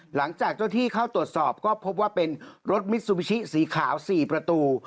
หลังจากเจ้าที่เข้าตรวจสอบก็พบว่าเป็นรถมิซูบิชิสีขาว๔ประตู